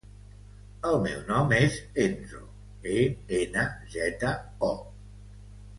El meu nom és Enzo: e, ena, zeta, o.